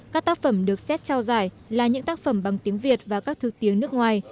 các tác phẩm được xét trao giải là những tác phẩm bằng tiếng việt và các thứ tiếng nước ngoài